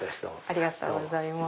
ありがとうございます。